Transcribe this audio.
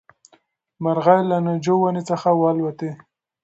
مرغۍ له ناجو ونې څخه والوتې.